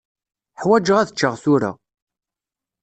Ḥwaǧeɣ ad ččeɣ tura.